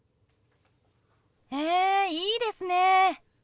へえいいですね。